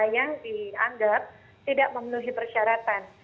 yang dianggap tidak memenuhi persyaratan